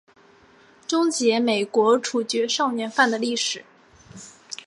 终结美国处决少年犯的历史。